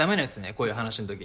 こういう話のとき。